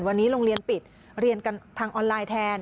วันนี้โรงเรียนปิดเรียนกันทางออนไลน์แทน